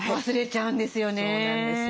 そうなんですよね。